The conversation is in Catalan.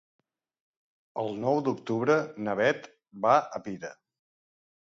El nou d'octubre na Beth va a Pira.